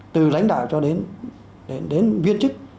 từ lãnh đạo cho đến viên chức